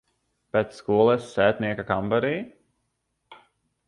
Pēc skolas sētnieka kambarī?